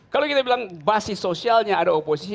kalau kita bilang basis sosialnya ada oposisi